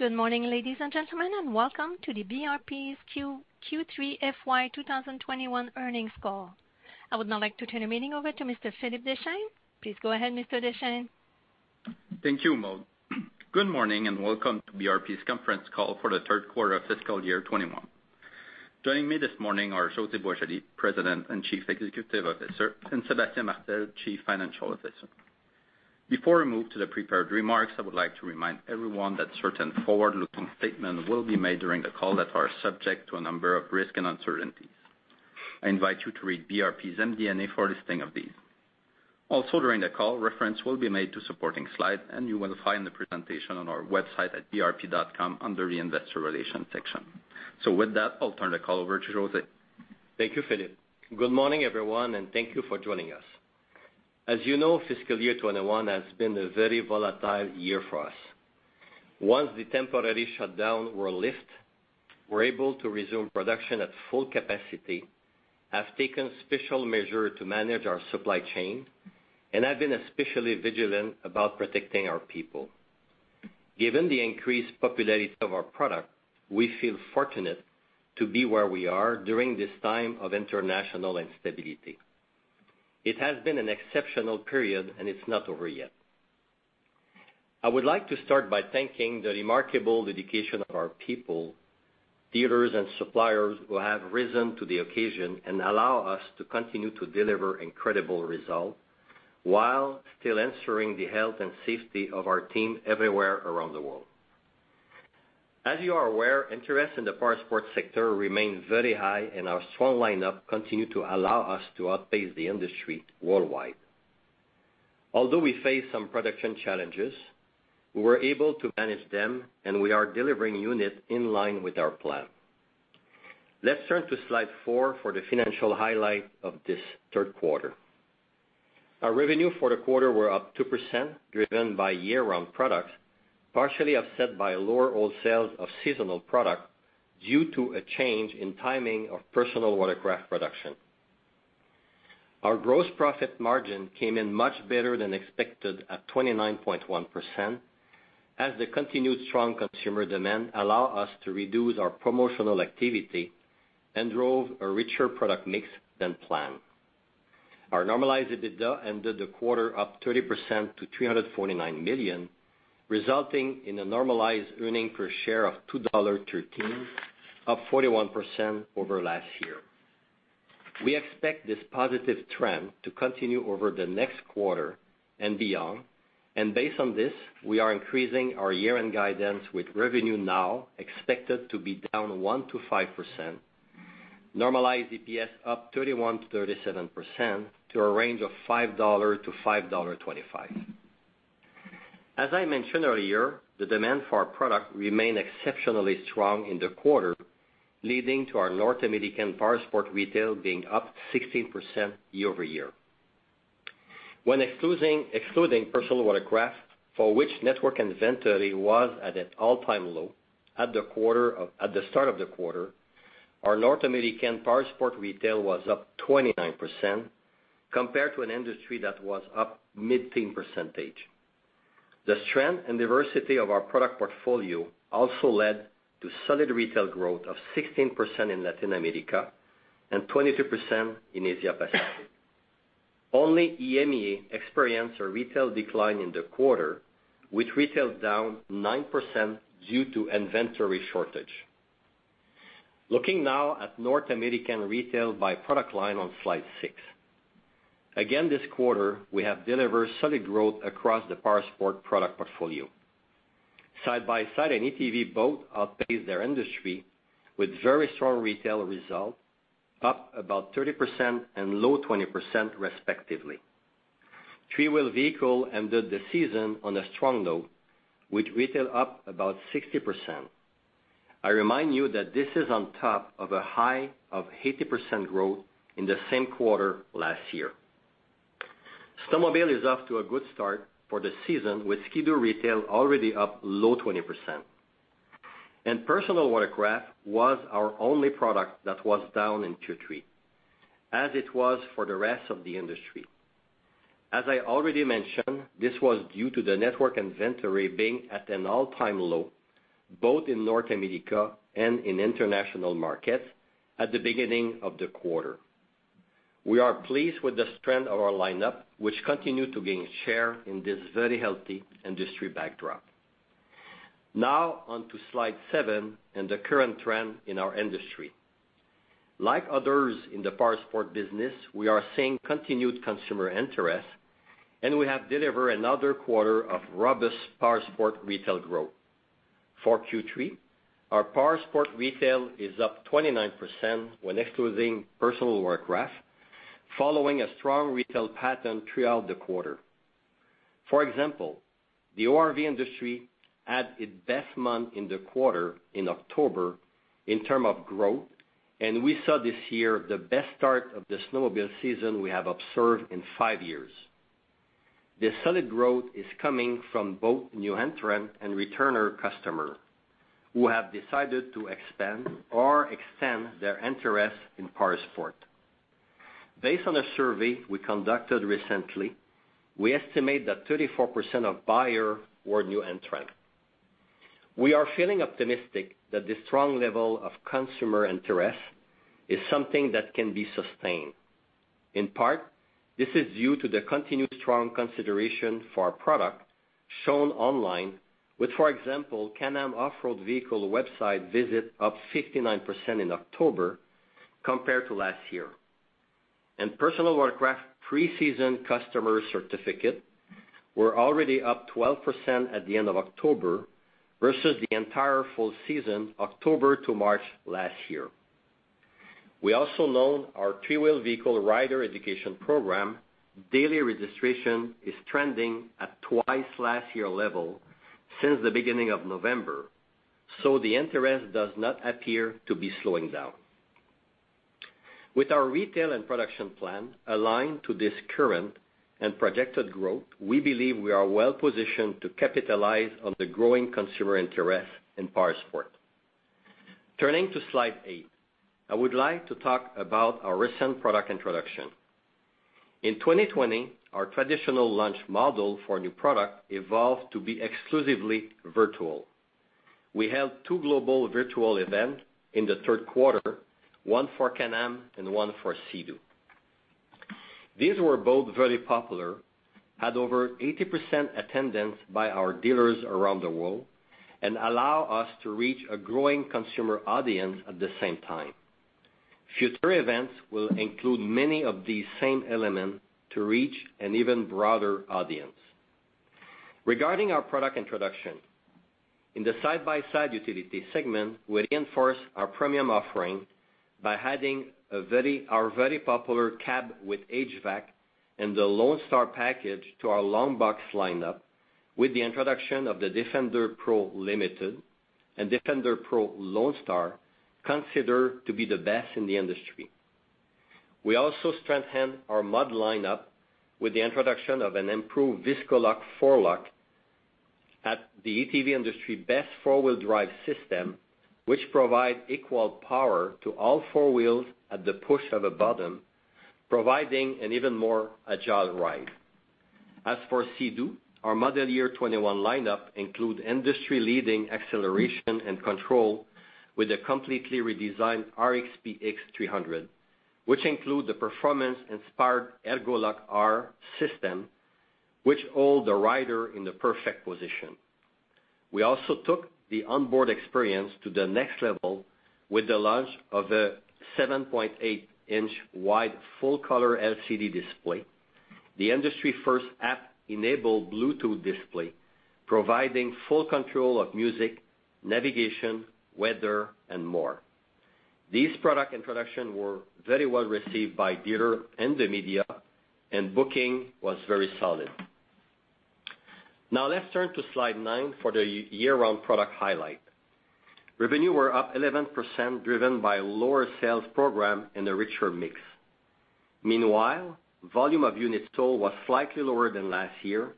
Good morning, ladies and gentlemen, and welcome to the BRP's Q3 FY 2021 earnings call. I would now like to turn the meeting over to Mr. Philippe Deschênes. Please go ahead, Mr. Deschênes. Thank you, Maude. Good morning, and welcome to BRP's conference call for the third quarter of fiscal year 2021. Joining me this morning are José Boisjoli, President and Chief Executive Officer, and Sébastien Martel, Chief Financial Officer. Before we move to the prepared remarks, I would like to remind everyone that certain forward-looking statements will be made during the call that are subject to a number of risks and uncertainties. I invite you to read BRP's MD&A for a listing of these. Also during the call, reference will be made to supporting slides, and you will find the presentation on our website at brp.com under the investor relations section. With that, I'll turn the call over to José. Thank you, Philippe. Good morning, everyone, and thank you for joining us. As you know, fiscal year 2021 has been a very volatile year for us. Once the temporary shutdown were lift, we're able to resume production at full capacity, have taken special measure to manage our supply chain, and have been especially vigilant about protecting our people. Given the increased popularity of our product, we feel fortunate to be where we are during this time of international instability. It has been an exceptional period, and it's not over yet. I would like to start by thanking the remarkable dedication of our people, dealers and suppliers who have risen to the occasion and allow us to continue to deliver incredible results while still ensuring the health and safety of our team everywhere around the world. As you are aware, interest in the powersports sector remains very high, and our strong lineup continue to allow us to outpace the industry worldwide. Although we face some production challenges, we were able to manage them, and we are delivering units in line with our plan. Let's turn to slide four for the financial highlight of this third quarter. Our revenue for the quarter were up 2%, driven by year-round products, partially offset by lower all sales of seasonal product due to a change in timing of personal watercraft production. Our gross profit margin came in much better than expected at 29.1% as the continued strong consumer demand allow us to reduce our promotional activity and drove a richer product mix than planned. Our normalized EBITDA ended the quarter up 30% to 349 million, resulting in a normalized earnings per share of 2.13 dollar, up 41% over last year. We expect this positive trend to continue over the next quarter and beyond. Based on this, we are increasing our year-end guidance with revenue now expected to be down 1%-5%, normalized EPS up 31%-37%, to a range of 5-5.25 dollar. As I mentioned earlier, the demand for our product remained exceptionally strong in the quarter, leading to our North American powersport retail being up 16% year-over-year. When excluding personal watercraft, for which network inventory was at an all-time low at the start of the quarter, our North American powersport retail was up 29% compared to an industry that was up mid-teen percentage. The strength and diversity of our product portfolio also led to solid retail growth of 16% in Latin America and 22% in Asia Pacific. Only EMEA experienced a retail decline in the quarter with retail down 9% due to inventory shortage. Looking now at North American retail by product line on slide six. Again, this quarter, we have delivered solid growth across the powersport product portfolio. Side-by-side and ATV both outpaced their industry with very strong retail results up about 30% and low 20% respectively. Three-wheel vehicle ended the season on a strong note with retail up about 60%. I remind you that this is on top of a high of 80% growth in the same quarter last year. Snowmobile is off to a good start for the season with Ski-Doo retail already up low 20%. Personal watercraft was our only product that was down in Q3, as it was for the rest of the industry. As I already mentioned, this was due to the network inventory being at an all-time low, both in North America and in international markets at the beginning of the quarter. We are pleased with the strength of our lineup, which continue to gain share in this very healthy industry backdrop. On to slide seven and the current trend in our industry. Like others in the powersports business, we are seeing continued consumer interest, and we have delivered another quarter of robust powersports retail growth. For Q3, our powersports retail is up 29% when excluding personal watercraft, following a strong retail pattern throughout the quarter. For example, the ORV industry had its best month in the quarter in October in term of growth, and we saw this year the best start of the snowmobile season we have observed in five years. This solid growth is coming from both new entrant and returner customers who have decided to expand or extend their interest in powersports. Based on a survey we conducted recently, we estimate that 34% of buyers were new entrants. We are feeling optimistic that this strong level of consumer interest is something that can be sustained. In part, this is due to the continued strong consideration for our product shown online with, for example, Can-Am Off-Road vehicle website visits up 59% in October compared to last year. Personal Watercraft pre-season customer certificates were already up 12% at the end of October versus the entire full season, October to March last year. We also know our three-wheel vehicle rider education program daily registration is trending at twice last year's level since the beginning of November, the interest does not appear to be slowing down. With our retail and production plan aligned to this current and projected growth, we believe we are well-positioned to capitalize on the growing consumer interest in powersports. Turning to slide eight, I would like to talk about our recent product introduction. In 2020, our traditional launch model for new product evolved to be exclusively virtual. We held two global virtual events in the third quarter, one for Can-Am and one for Sea-Doo. These were both very popular, had over 80% attendance by our dealers around the world, and allow us to reach a growing consumer audience at the same time. Future events will include many of these same elements to reach an even broader audience. Regarding our product introduction, in the Side-by-Side utility segment, we reinforce our premium offering by adding our very popular cab with HVAC and the Lone Star package to our long box lineup with the introduction of the Defender PRO Limited and Defender PRO Lone Star, considered to be the best in the industry. We also strengthen our mud lineup with the introduction of an improved Visco-4Lok at the ATV industry best four-wheel drive system, which provide equal power to all four wheels at the push of a button, providing an even more agile ride. As for Sea-Doo, our model year 2021 lineup include industry-leading acceleration and control with a completely redesigned RXP-X 300, which include the performance-inspired Ergolock-R system, which hold the rider in the perfect position. We also took the onboard experience to the next level with the launch of a 7.8-inch wide full-color LCD display. The industry-first app-enabled Bluetooth display, providing full control of music, navigation, weather, and more. These product introductions were very well received by dealer and the media, and booking was very solid. Now, let's turn to slide nine for the year-round product highlight. Revenue was up 11%, driven by lower sales program and a richer mix. Meanwhile, volume of units total was slightly lower than last year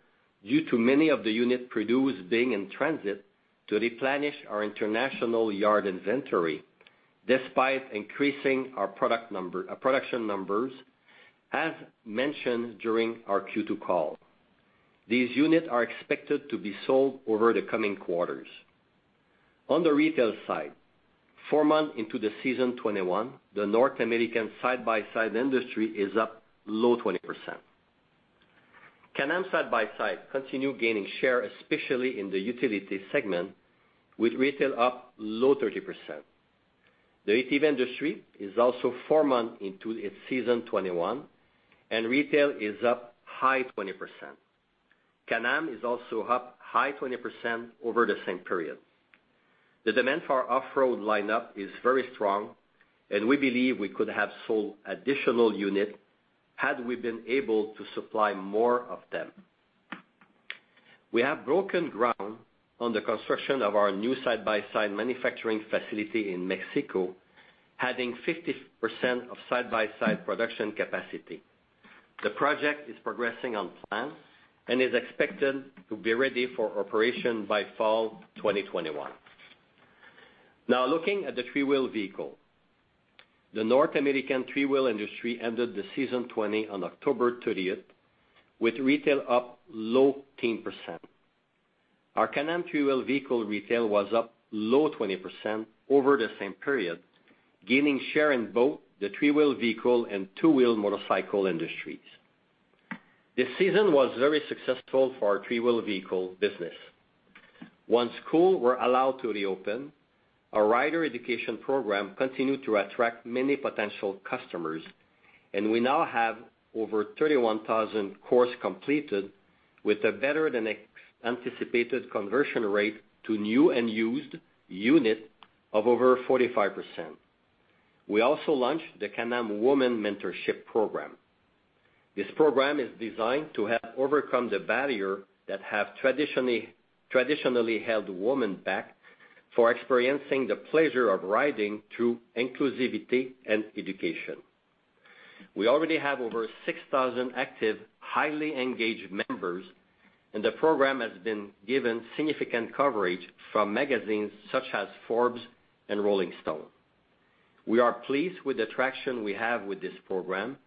due to many of the units produced being in transit to replenish our international yard inventory, despite increasing our production numbers as mentioned during our Q2 call. These units are expected to be sold over the coming quarters. On the retail side, four months into the season 2021, the North American Side-by-Side industry is up low 20%. Can-Am Side-by-Side continue gaining share, especially in the utility segment, with retail up low 30%. The ATV industry is also four months into its season 2021, retail is up high 20%. Can-Am is also up high 20% over the same period. The demand for our off-road lineup is very strong, we believe we could have sold additional units had we been able to supply more of them. We have broken ground on the construction of our new Side-by-Side manufacturing facility in Mexico, adding 50% of Side-by-Side production capacity. The project is progressing on plan and is expected to be ready for operation by fall 2021. Looking at the three-wheel vehicle. The North American three-wheel industry ended the season 2020 on October 30th, with retail up low teen percent. Our Can-Am three-wheel vehicle retail was up low 20% over the same period, gaining share in both the three-wheel vehicle and two-wheel motorcycle industries. This season was very successful for our three-wheel vehicle business. Once schools were allowed to reopen, our rider education program continued to attract many potential customers. We now have over 31,000 courses completed with a better-than-anticipated conversion rate to new and used units of over 45%. We also launched the Can-Am Women Mentorship Program. This program is designed to help overcome the barriers that have traditionally held women back for experiencing the pleasure of riding through inclusivity and education. We already have over 6,000 active, highly engaged members. The program has been given significant coverage from magazines such as Forbes and Rolling Stone. We are pleased with the traction we have with this program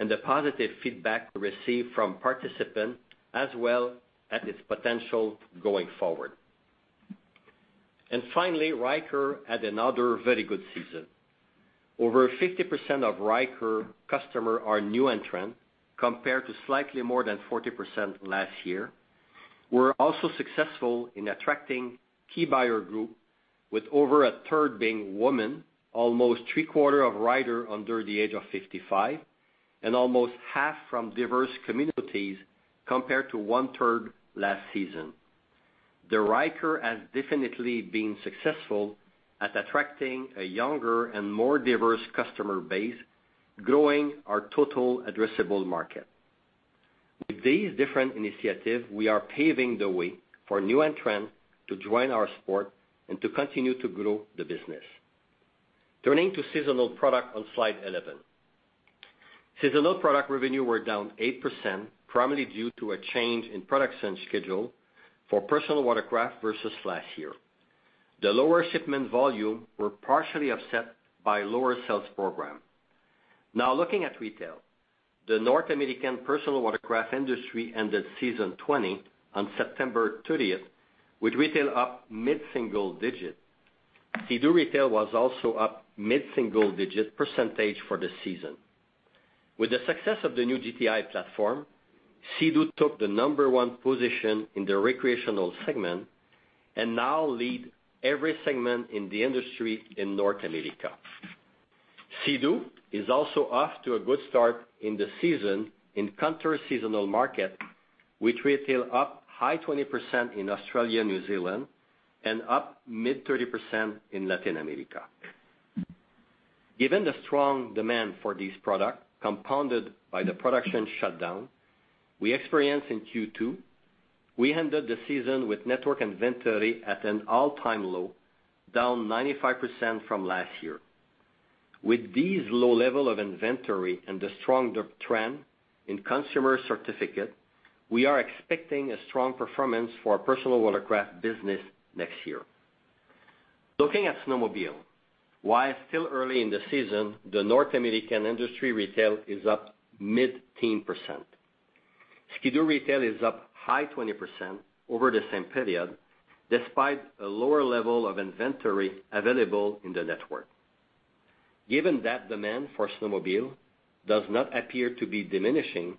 and the positive feedback received from participants, as well as its potential going forward. Finally, Ryker had another very good season. Over 50% of Ryker customers are new entrants compared to slightly more than 40% last year. We're also successful in attracting key buyer groups with over a third being women, almost three-quarters of riders under the age of 55, and almost half from diverse communities compared to 1/3 last season. The Ryker has definitely been successful at attracting a younger and more diverse customer base, growing our total addressable market. With these different initiatives, we are paving the way for new entrants to join our sport and to continue to grow the business. Turning to seasonal product on slide 11. Seasonal product revenue were down 8%, primarily due to a change in production schedule for personal watercraft versus last year. The lower shipment volume were partially offset by lower sales program. Looking at retail. The North American personal watercraft industry ended season 20 on September 30th, with retail up mid-single digit. Sea-Doo retail was also up mid-single digit percentage for the season. With the success of the new GTI platform, Sea-Doo took the number one position in the recreational segment and now lead every segment in the industry in North America. Sea-Doo is also off to a good start in the season in counter-seasonal market, with retail up high 20% in Australia, New Zealand, and up mid 30% in Latin America. Given the strong demand for these products, compounded by the production shutdown we experienced in Q2, we ended the season with network inventory at an all-time low, down 95% from last year. With these low level of inventory and the strong trend in consumer sentiment, we are expecting a strong performance for our personal watercraft business next year. Looking at snowmobile. While still early in the season, the North American industry retail is up mid-teen percent. Ski-Doo retail is up high 20% over the same period, despite a lower level of inventory available in the network. Given that demand for snowmobile does not appear to be diminishing,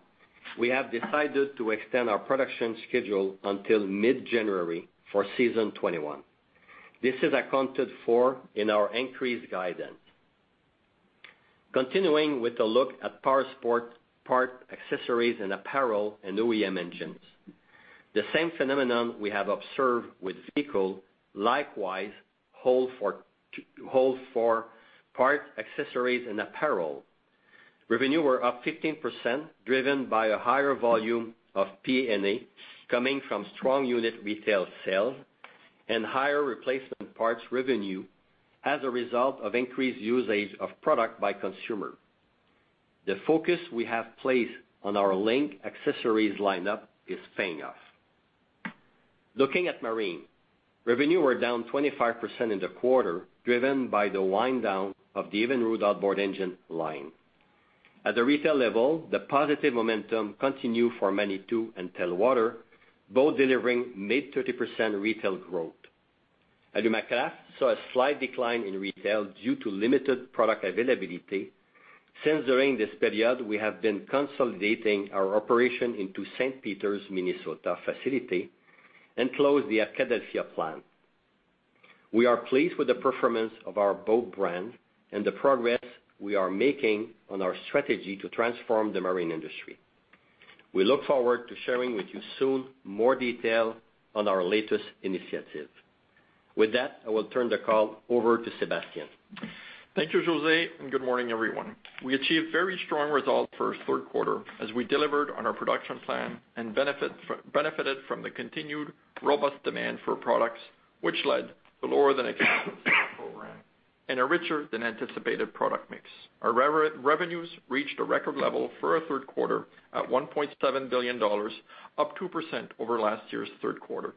we have decided to extend our production schedule until mid-January for season 21. This is accounted for in our increased guidance. Continuing with a look at powersport parts, accessories, and apparel, OEM engines. The same phenomenon we have observed with vehicles, likewise, holds for parts, accessories, and apparel. Revenue were up 15%, driven by a higher volume of P&A coming from strong unit retail sales and higher replacement parts revenue as a result of increased usage of product by consumer. The focus we have placed on our LinQ accessories lineup is paying off. Looking at Marine. Revenue were down 25% in the quarter, driven by the wind-down of the Evinrude outboard engine line. At the retail level, the positive momentum continue for Manitou and Telwater, both delivering mid-30% retail growth. Alumacraft saw a slight decline in retail due to limited product availability since during this period we have been consolidating our operation into St. Peter, Minnesota facility and closed the Arcadia plant. We are pleased with the performance of our boat brand and the progress we are making on our strategy to transform the marine industry. We look forward to sharing with you soon more detail on our latest initiative. With that, I will turn the call over to Sébastien. Thank you, José, and good morning, everyone. We achieved very strong results for our third quarter as we delivered on our production plan and benefited from the continued robust demand for products, which led to lower than expected program and a richer than anticipated product mix. Our revenues reached a record level for our third quarter at 1.7 billion dollars, up 2% over last year's third quarter.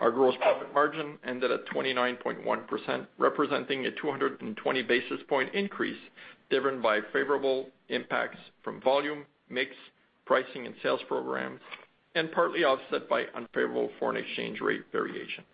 Our gross profit margin ended at 29.1%, representing a 220 basis point increase driven by favorable impacts from volume, mix, pricing and sales programs, and partly offset by unfavorable foreign exchange rate variations.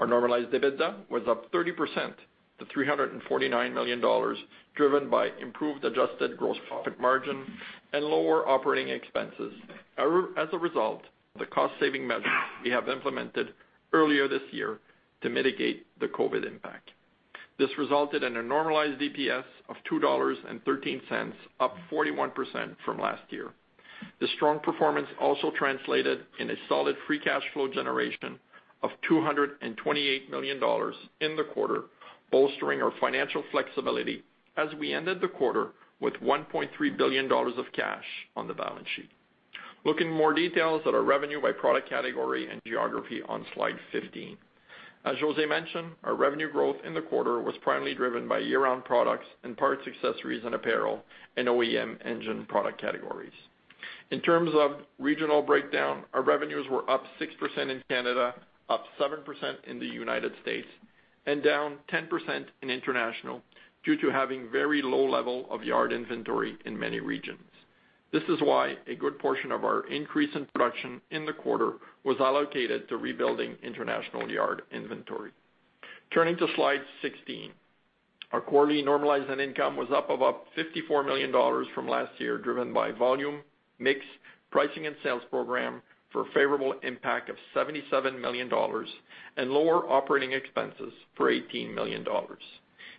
Our normalized EBITDA was up 30% to 349 million dollars, driven by improved adjusted gross profit margin and lower operating expenses as a result of the cost-saving measures we have implemented earlier this year to mitigate the COVID impact. This resulted in a normalized EPS of 2.13 dollars, up 41% from last year. The strong performance also translated in a solid free cash flow generation of 228 million dollars in the quarter, bolstering our financial flexibility as we ended the quarter with 1.3 billion dollars of cash on the balance sheet. Looking more details at our revenue by product category and geography on slide 15. As José mentioned, our revenue growth in the quarter was primarily driven by year-round products and Parts, Accessories and Apparel, and OEM engine product categories. In terms of regional breakdown, our revenues were up 6% in Canada, up 7% in the United States, and down 10% in international due to having very low level of yard inventory in many regions. This is why a good portion of our increase in production in the quarter was allocated to rebuilding international yard inventory. Turning to slide 16. Our quarterly normalized net income was up about 54 million dollars from last year, driven by volume, mix, pricing and sales program for a favorable impact of 77 million dollars and lower operating expenses for 18 million dollars.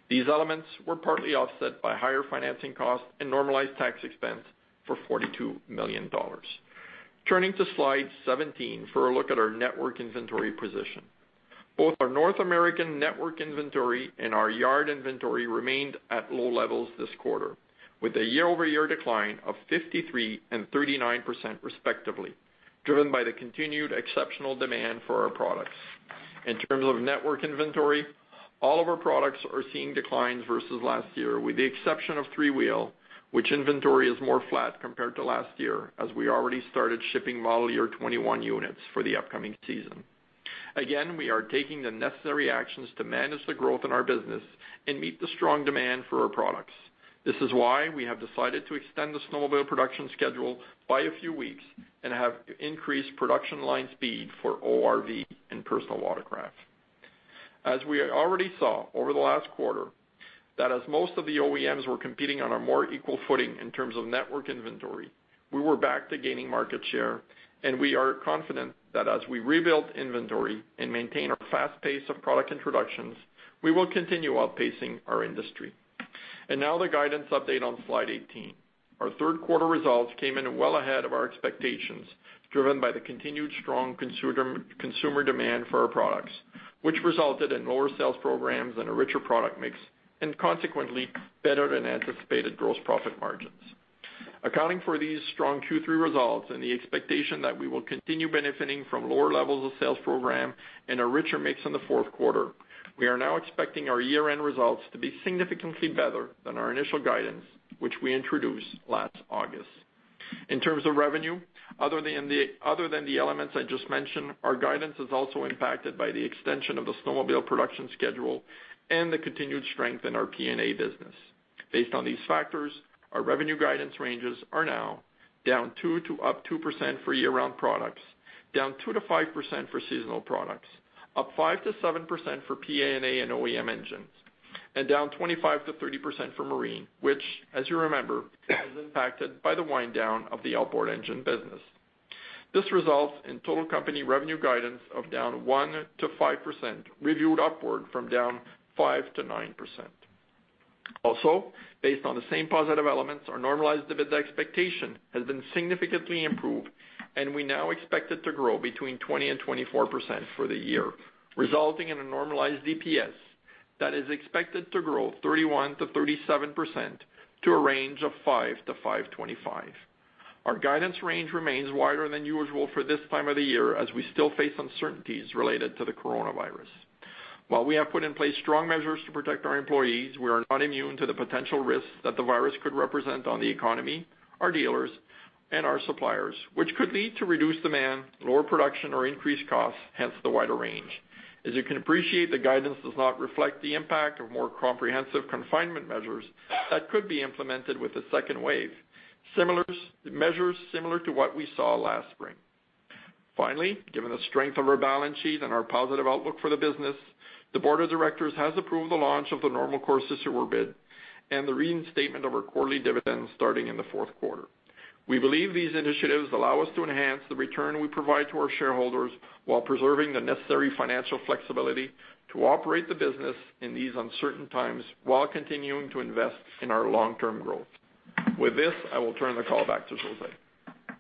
These elements were partly offset by higher financing costs and normalized tax expense for 42 million dollars. Turning to slide 17 for a look at our network inventory position. Both our North American network inventory and our yard inventory remained at low levels this quarter, with a year-over-year decline of 53% and 39% respectively, driven by the continued exceptional demand for our products. In terms of network inventory, all of our products are seeing declines versus last year, with the exception of three-wheel, which inventory is more flat compared to last year, as we already started shipping model year 2021 units for the upcoming season. We are taking the necessary actions to manage the growth in our business and meet the strong demand for our products. This is why we have decided to extend the snowmobile production schedule by a few weeks and have increased production line speed for ORV and personal watercraft. As we already saw over the last quarter, that as most of the OEMs were competing on a more equal footing in terms of network inventory, we were back to gaining market share, and we are confident that as we rebuild inventory and maintain our fast pace of product introductions, we will continue outpacing our industry. Now the guidance update on slide 18. Our third quarter results came in well ahead of our expectations, driven by the continued strong consumer demand for our products, which resulted in lower sales programs and a richer product mix, and consequently, better than anticipated gross profit margins. Accounting for these strong Q3 results and the expectation that we will continue benefiting from lower levels of sales program and a richer mix in the fourth quarter, we are now expecting our year-end results to be significantly better than our initial guidance, which we introduced last August. In terms of revenue, other than the elements I just mentioned, our guidance is also impacted by the extension of the snowmobile production schedule and the continued strength in our P&A business. Based on these factors, our revenue guidance ranges are now down 2% to up 2% for year-round products, down 2%-5% for seasonal products, up 5%-7% for P&A and OEM engines, and down 25%-30% for marine, which, as you remember, is impacted by the wind down of the outboard engine business. This results in total company revenue guidance of down 1%-5%, reviewed upward from down 5%-9%. Also, based on the same positive elements, our normalized EBITDA expectation has been significantly improved, and we now expect it to grow between 20% and 24% for the year, resulting in a normalized EPS that is expected to grow 31%-37% to a range of 5-5.25. Our guidance range remains wider than usual for this time of the year as we still face uncertainties related to the coronavirus. While we have put in place strong measures to protect our employees, we are not immune to the potential risks that the virus could represent on the economy, our dealers, and our suppliers, which could lead to reduced demand, lower production, or increased costs, hence the wider range. As you can appreciate, the guidance does not reflect the impact of more comprehensive confinement measures that could be implemented with a second wave. Measures similar to what we saw last spring. Finally, given the strength of our balance sheet and our positive outlook for the business, the board of directors has approved the launch of the normal course issuer bid and the reinstatement of our quarterly dividends starting in the fourth quarter. We believe these initiatives allow us to enhance the return we provide to our shareholders while preserving the necessary financial flexibility to operate the business in these uncertain times while continuing to invest in our long-term growth. With this, I will turn the call back to José.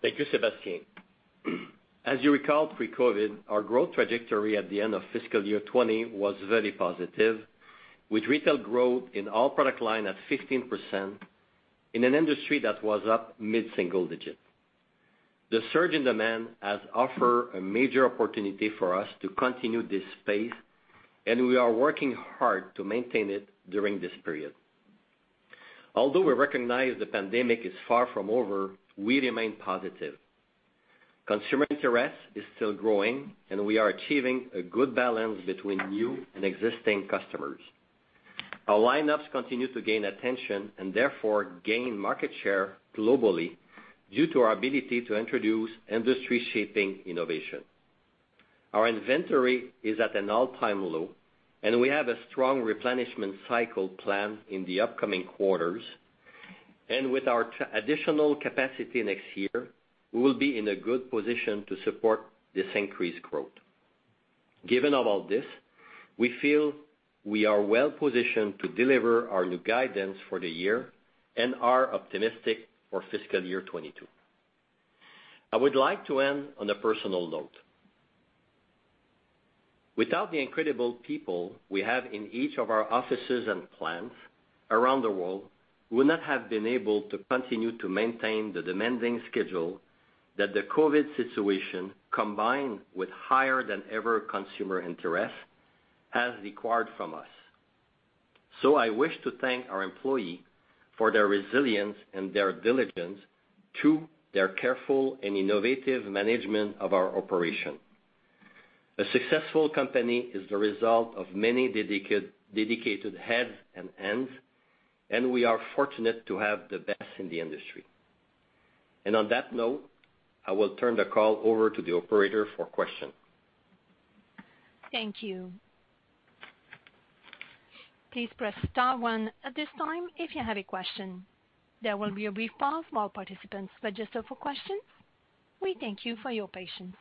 Thank you, Sébastien. As you recall, pre-COVID, our growth trajectory at the end of fiscal year 2020 was very positive, with retail growth in our product line at 15% in an industry that was up mid-single digit. The surge in demand has offered a major opportunity for us to continue this phase. We are working hard to maintain it during this period. Although we recognize the pandemic is far from over, we remain positive. Consumer interest is still growing. We are achieving a good balance between new and existing customers. Our lineups continue to gain attention and therefore gain market share globally due to our ability to introduce industry-shaping innovation. Our inventory is at an all-time low. We have a strong replenishment cycle planned in the upcoming quarters. With our additional capacity next year, we will be in a good position to support this increased growth. Given all this, we feel we are well-positioned to deliver our new guidance for the year and are optimistic for fiscal year 2022. I would like to end on a personal note. Without the incredible people we have in each of our offices and plants around the world, we would not have been able to continue to maintain the demanding schedule that the COVID situation, combined with higher than ever consumer interest, has required from us. I wish to thank our employees for their resilience and their diligence through their careful and innovative management of our operation. A successful company is the result of many dedicated heads and hands, and we are fortunate to have the best in the industry. On that note, I will turn the call over to the operator for questions. Thank you. Please press star one at this time if you have a question. There will be a brief pause while participants register for questions. We thank you for your patience.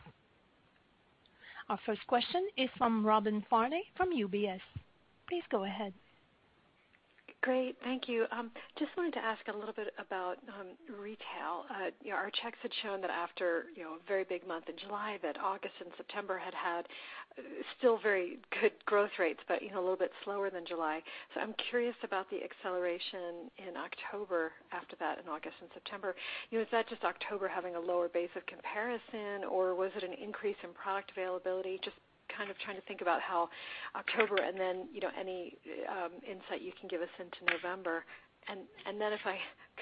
Our first question is from Robin Farley from UBS. Please go ahead. Great. Thank you. Just wanted to ask a little bit about retail. Our checks had shown that after a very big month in July, that August and September had still very good growth rates, but a little bit slower than July. I'm curious about the acceleration in October after that in August and September. Was that just October having a lower base of comparison, or was it an increase in product availability? Just kind of trying to think about how October and then any insight you can give us into November. If I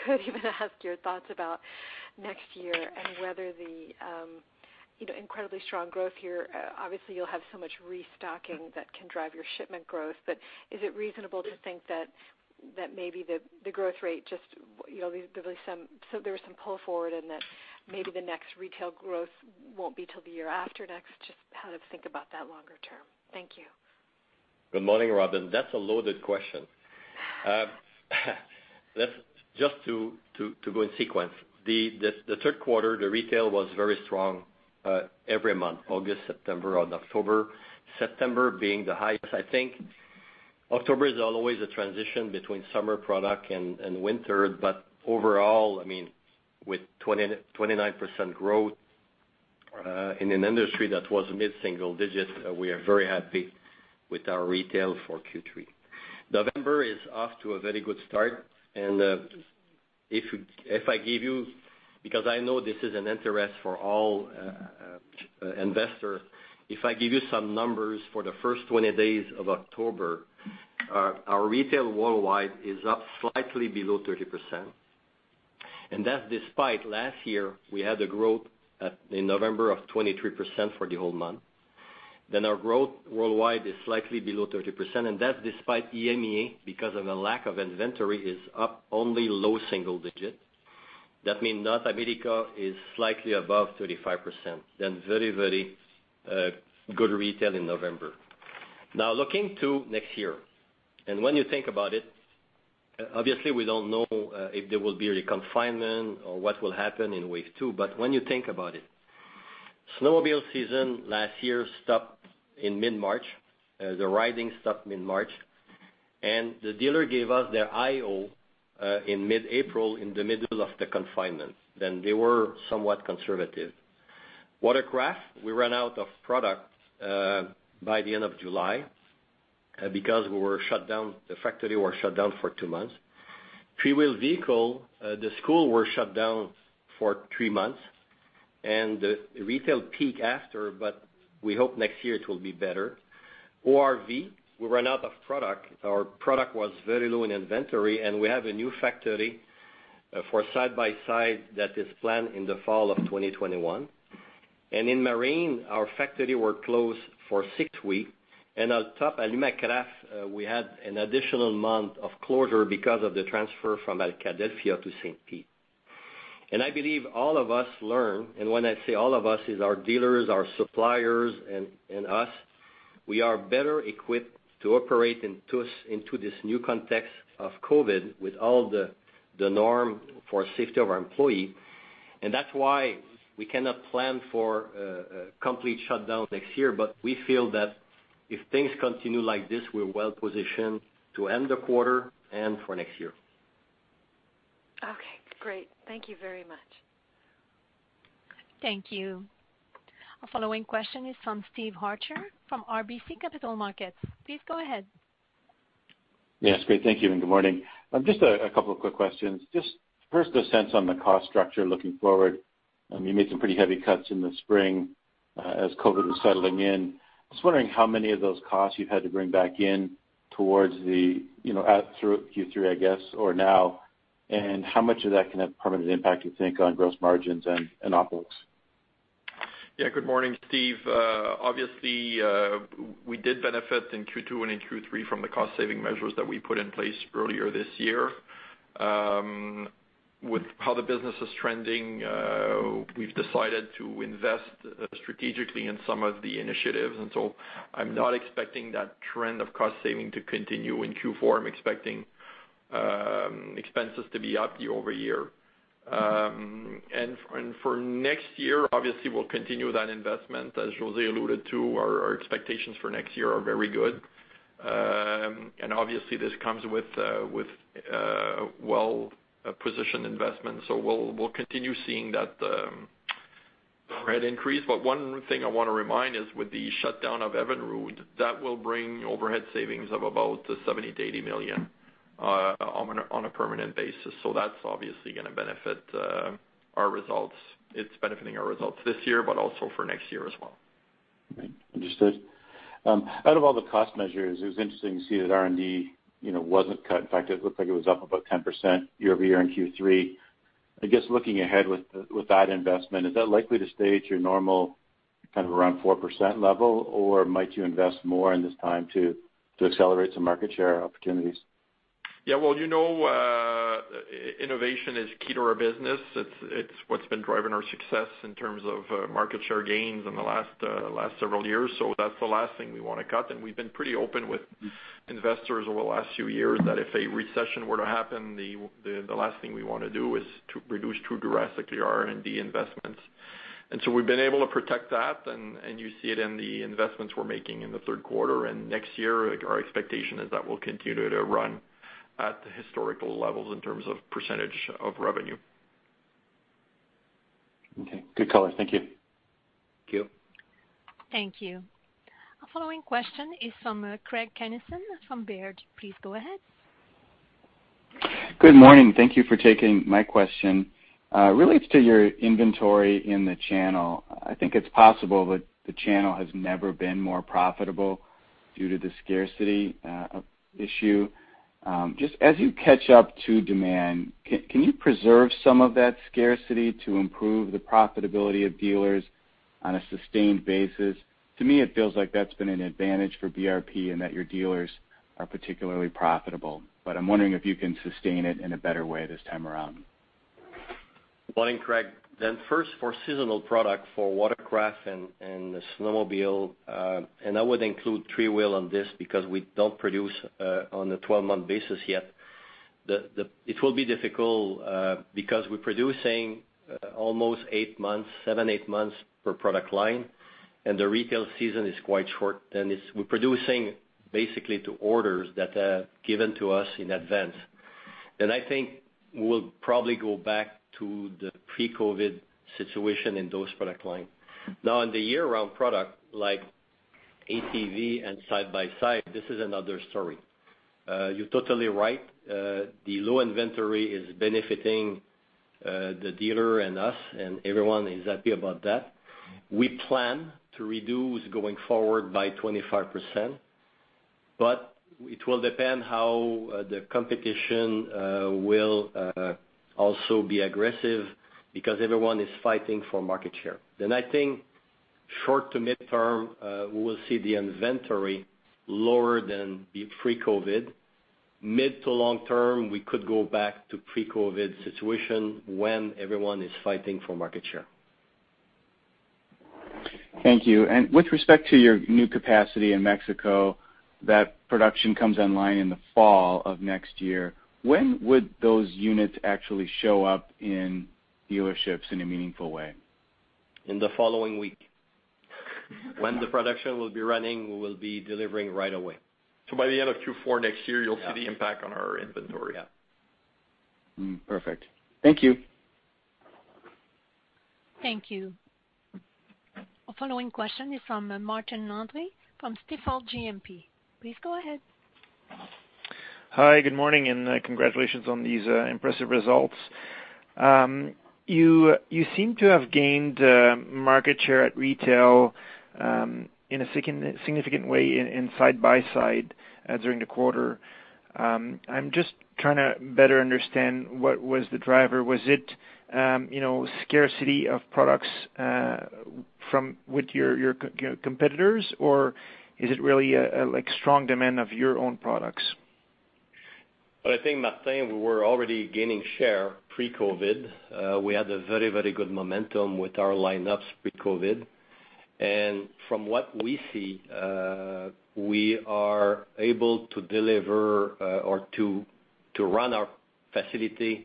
could even ask your thoughts about next year and whether the incredibly strong growth here, obviously you'll have so much restocking that can drive your shipment growth, but is it reasonable to think that maybe the growth rate, there was some pull forward and that maybe the next retail growth won't be till the year after next? Just how to think about that longer term. Thank you. Good morning, Robin. That's a loaded question. Just to go in sequence, the third quarter, the retail was very strong, every month, August, September, and October. September being the highest, I think. October is always a transition between summer product and winter, but overall, with 29% growth, in an industry that was mid-single digits, we are very happy with our retail for Q3. November is off to a very good start. If I give you, because I know this is an interest for all investors, if I give you some numbers for the first 20 days of October, our retail worldwide is up slightly below 30%. That's despite last year, we had a growth in November of 23% for the whole month. Our growth worldwide is slightly below 30%, and that's despite EMEA, because of a lack of inventory, is up only low single digit. That means North America is slightly above 35%, then very good retail in November. Now looking to next year, and when you think about it, obviously we don't know if there will be a confinement or what will happen in wave two. When you think about it, snowmobile season last year stopped in mid-March. The riding stopped mid-March, and the dealer gave us their IO in mid-April in the middle of the confinement, and they were somewhat conservative. Watercraft, we ran out of product by the end of July because the factory were shut down for two months. Three-wheel vehicle, the school were shut down for three months, and the retail peak after, but we hope next year it will be better. ORV, we ran out of product. Our product was very low in inventory. We have a new factory for side-by-side that is planned in the fall of 2021. In Marine, our factory were closed for six weeks, and on top Alumacraft, we had an additional month of closure because of the transfer from Arcadia to St. Pete. I believe all of us learn, and when I say all of us, is our dealers, our suppliers, and us. We are better equipped to operate into this new context of COVID with all the norm for safety of our employee, and that's why we cannot plan for a complete shutdown next year. We feel that if things continue like this, we're well positioned to end the quarter and for next year. Okay, great. Thank you very much. Thank you. Our following question is from Steve Arthur from RBC Capital Markets. Please go ahead. Yes, great. Thank you, and good morning. Just a couple of quick questions. Just first a sense on the cost structure looking forward. You made some pretty heavy cuts in the spring as COVID was settling in. Just wondering how many of those costs you've had to bring back in towards Q3, I guess, or now, and how much of that can have permanent impact, you think, on gross margins and OpEx? Yeah. Good morning, Steve. We did benefit in Q2 and in Q3 from the cost-saving measures that we put in place earlier this year. With how the business is trending, we've decided to invest strategically in some of the initiatives. I'm not expecting that trend of cost-saving to continue in Q4. I'm expecting expenses to be up year-over-year. For next year, obviously we'll continue that investment. As José alluded to, our expectations for next year are very good. Obviously this comes with well-positioned investments. We'll continue seeing that rent increase. One thing I want to remind is with the shutdown of Evinrude, that will bring overhead savings of about 70 million-80 million on a permanent basis. That's obviously going to benefit our results. It's benefiting our results this year, but also for next year as well. Understood. Out of all the cost measures, it was interesting to see that R&D wasn't cut. In fact, it looked like it was up about 10% year-over-year in Q3. I guess looking ahead with that investment, is that likely to stay at your normal kind of around 4% level, or might you invest more in this time to accelerate some market share opportunities? Well, you know, innovation is key to our business. It's what's been driving our success in terms of market share gains in the last several years. That's the last thing we want to cut. We've been pretty open with investors over the last few years that if a recession were to happen, the last thing we want to do is to reduce too drastically our R&D investments. We've been able to protect that, and you see it in the investments we're making in the third quarter and next year. Our expectation is that we'll continue to run at the historical levels in terms of percent of revenue. Okay. Good color. Thank you. Thank you. Thank you. Our following question is from Craig Kennison from Baird. Please go ahead. Good morning. Thank you for taking my question. It relates to your inventory in the channel. I think it's possible that the channel has never been more profitable due to the scarcity issue. Just as you catch up to demand, can you preserve some of that scarcity to improve the profitability of dealers on a sustained basis? To me, it feels like that's been an advantage for BRP and that your dealers are particularly profitable, but I'm wondering if you can sustain it in a better way this time around. Morning, Craig. First for seasonal product for Watercraft and the Snowmobile, and I would include Three Wheel on this because we don't produce on a 12-month basis yet. It will be difficult because we're producing almost seven to eight months per product line and the retail season is quite short. We're producing basically to orders that are given to us in advance. I think we'll probably go back to the pre-COVID situation in those product line. Now, in the year-round product like ATV and Side-by-Side, this is another story. You're totally right. The low inventory is benefiting the dealer and us, and everyone is happy about that. We plan to reduce going forward by 25%, but it will depend how the competition will also be aggressive because everyone is fighting for market share. I think short to mid-term, we will see the inventory lower than pre-COVID. Mid to long-term, we could go back to pre-COVID situation when everyone is fighting for market share. Thank you. With respect to your new capacity in Mexico, that production comes online in the fall of next year. When would those units actually show up in dealerships in a meaningful way? In the following week. When the production will be running, we will be delivering right away. By the end of Q4 next year- Yeah. ...you'll see the impact on our inventory. Yeah. Perfect. Thank you. Thank you. Our following question is from Martin Landry from Stifel GMP. Please go ahead. Hi, good morning. Congratulations on these impressive results. You seem to have gained market share at retail in a significant way in Side-by-Side during the quarter. I'm just trying to better understand what was the driver. Was it scarcity of products with your competitors, or is it really strong demand of your own products? Well, I think, Martin, we were already gaining share pre-COVID. We had a very good momentum with our lineups pre-COVID. From what we see, we are able to deliver or to run our facility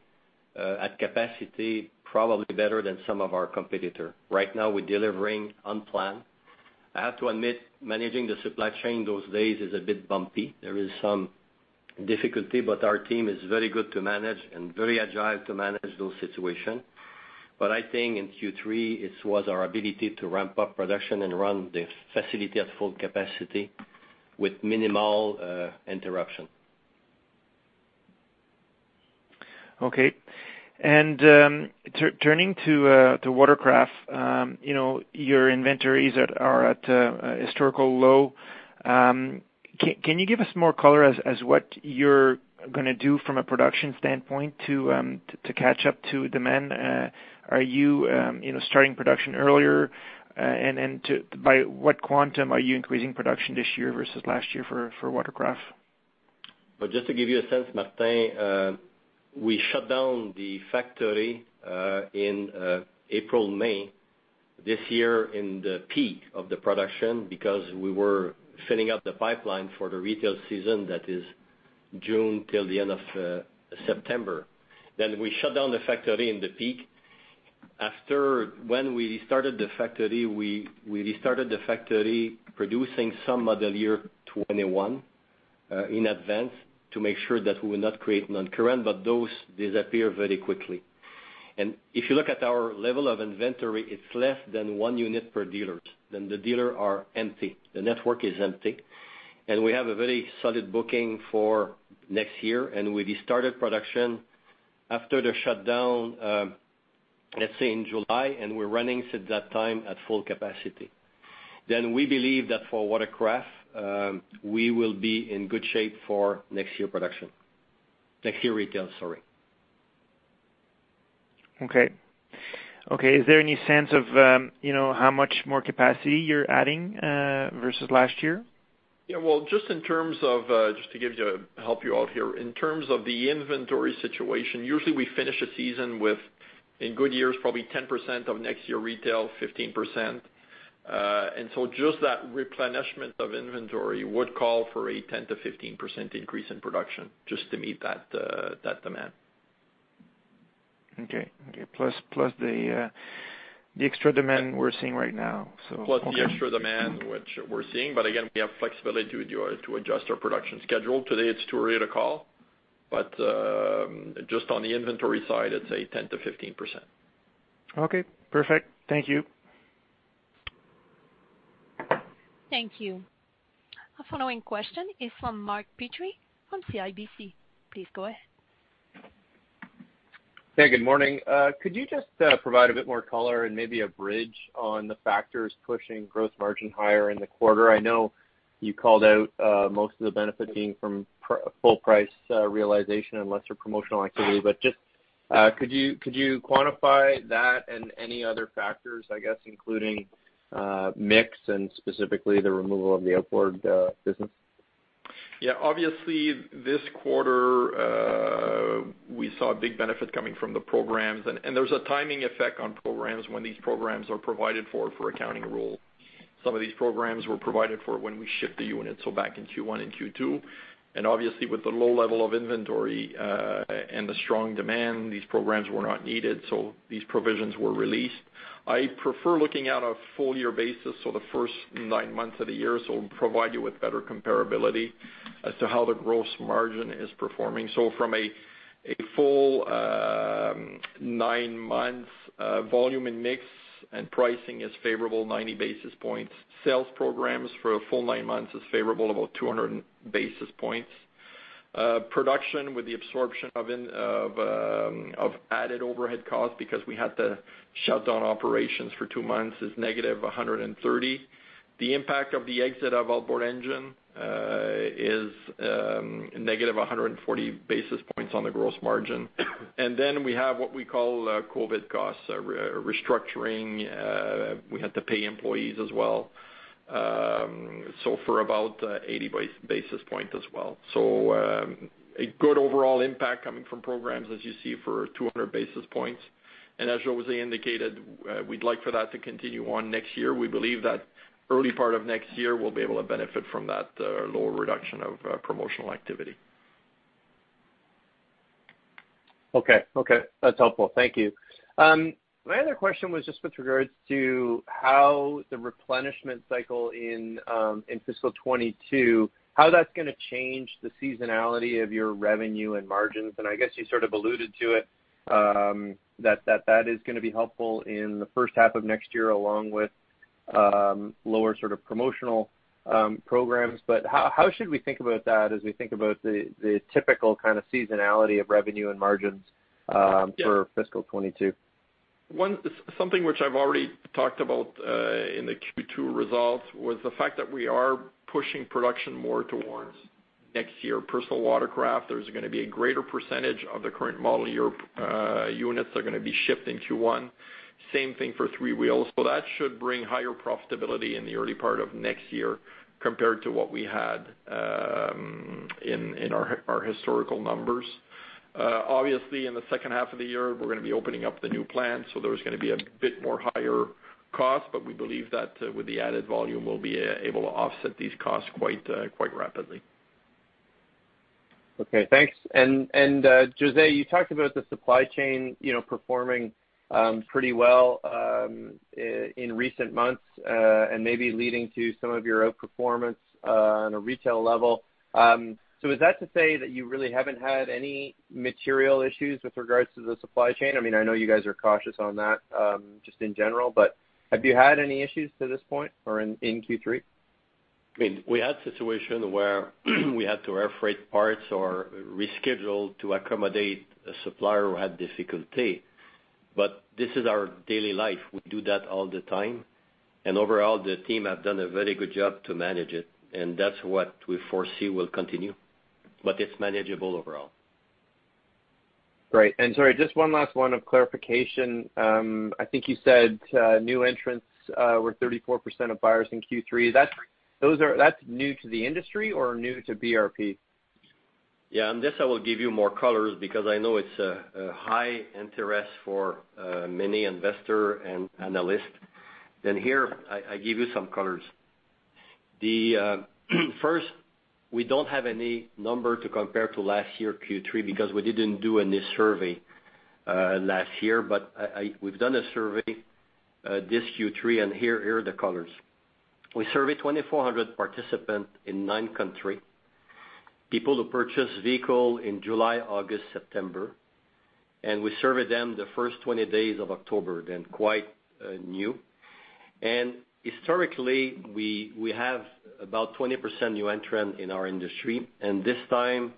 at capacity probably better than some of our competitor. Right now, we're delivering on plan. I have to admit, managing the supply chain those days is a bit bumpy. There is some difficulty, but our team is very good to manage and very agile to manage those situation. I think in Q3, it was our ability to ramp up production and run the facility at full capacity with minimal interruption. Okay. Turning to Watercraft, your inventories are at a historical low. Can you give us more color as what you're going to do from a production standpoint to catch up to demand? Are you starting production earlier? By what quantum are you increasing production this year versus last year for Watercraft? Just to give you a sense, Martin, we shut down the factory in April, May this year in the peak of the production because we were filling up the pipeline for the retail season that is June till the end of September. We shut down the factory in the peak. After, when we restarted the factory, we restarted the factory producing some model year 2021 in advance to make sure that we will not create non-current, but those disappear very quickly. If you look at our level of inventory, it's less than one unit per dealer. The dealer are empty, the network is empty. We have a very solid booking for next year, and we restarted production after the shutdown, let's say in July, and we're running since that time at full capacity. We believe that for Watercraft, we will be in good shape for next year production. Next year retail, sorry. Okay. Is there any sense of how much more capacity you're adding versus last year? Yeah. Just to help you out here, in terms of the inventory situation, usually we finish a season with, in good years, probably 10% of next year retail, 15%. Just that replenishment of inventory would call for a 10%-15% increase in production just to meet that demand. Okay. Plus the extra demand we're seeing right now, so okay. Plus the extra demand which we're seeing. Again, we have flexibility to adjust our production schedule. Today, it's too early to call, but just on the inventory side, it's a 10%-15%. Okay, perfect. Thank you. Thank you. Our following question is from Mark Petrie on CIBC. Please go ahead. Hey, good morning. Could you just provide a bit more color and maybe a bridge on the factors pushing gross margin higher in the quarter? I know you called out most of the benefit being from full price realization and lesser promotional activity, just could you quantify that and any other factors, I guess, including mix and specifically the removal of the outboard business? Yeah. Obviously, this quarter, we saw a big benefit coming from the programs. There is a timing effect on programs when these programs are provided for accounting rule. Some of these programs were provided for when we ship the unit, so back in Q1 and Q2. Obviously with the low level of inventory, and the strong demand, these programs were not needed, so these provisions were released. I prefer looking at a full year basis, so the first nine months of the year will provide you with better comparability as to how the gross margin is performing. From a full nine months, volume and mix and pricing is favorable 90 basis points. Sales programs for a full nine months is favorable, about 200 basis points. Production with the absorption of added overhead cost because we had to shut down operations for two months is -130. The impact of the exit of outboard engine is -140 basis points on the gross margin. We have what we call COVID costs, restructuring, we had to pay employees as well, for about 80 basis points as well. A good overall impact coming from programs, as you see, for 200 basis points. As José indicated, we'd like for that to continue on next year. We believe that early part of next year, we'll be able to benefit from that lower reduction of promotional activity. Okay. That's helpful. Thank you. My other question was just with regards to how the replenishment cycle in fiscal 2022, how that's going to change the seasonality of your revenue and margins. I guess you sort of alluded to it, that that is going to be helpful in the first half of next year, along with lower sort of promotional programs. How should we think about that as we think about the typical kind of seasonality of revenue and margins- Yeah. ...for fiscal 2022? Something which I've already talked about, in the Q2 results, was the fact that we are pushing production more towards next year. personal watercraft, there's going to be a greater percentage of the current model year units are going to be shipped in Q1. Same thing for three wheels. That should bring higher profitability in the early part of next year compared to what we had in our historical numbers. Obviously, in the second half of the year, we're going to be opening up the new plant, so there's going to be a bit more higher cost, but we believe that with the added volume, we'll be able to offset these costs quite rapidly. Okay, thanks. José, you talked about the supply chain performing pretty well in recent months, and maybe leading to some of your outperformance on a retail level. Is that to say that you really haven't had any material issues with regards to the supply chain? I know you guys are cautious on that, just in general, but have you had any issues to this point or in Q3? We had situation where we had to air freight parts or reschedule to accommodate a supplier who had difficulty. This is our daily life. We do that all the time. Overall, the team have done a very good job to manage it, and that's what we foresee will continue. It's manageable overall. Great. Sorry, just one last one of clarification. I think you said new entrants were 34% of buyers in Q3. That's new to the industry or new to BRP? Yeah. On this, I will give you more colors because I know it's a high interest for many investor and analyst. Here I give you some colors. The first, we don't have any number to compare to last year Q3 because we didn't do any survey last year. We've done a survey this Q3, and here are the colors. We surveyed 2,400 participants in nine countries, people who purchased vehicle in July, August, September, and we surveyed them the first 20 days of October, then quite new. Historically, we have about 20% new entrant in our industry, and this time,